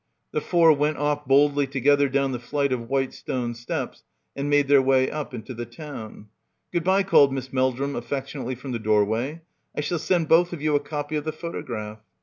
The four went off boldly together down the flight of white stone steps and made their way up into the town. "Good bye," called Miss Meldrum affection ately from the doorway. "I shall send both of you a copy of the photograph."